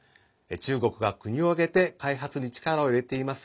中国が国を挙げて開発に力を入れています